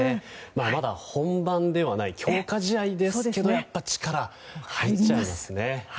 まだ本番ではない強化試合ですけれどやっぱり力、入っちゃいますね。